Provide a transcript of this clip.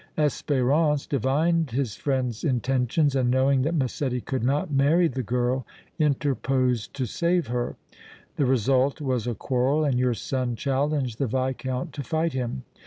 Espérance divined his friend's intentions and, knowing that Massetti could not marry the girl, interposed to save her. The result was a quarrel and your son challenged the Viscount to fight him.